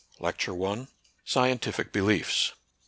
LECTURE L — SCIENTIFIC BELIEFS.